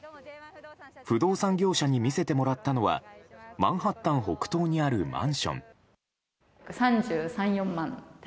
不動産業者に見せてもらったのはマンハッタン北東にあるマンション。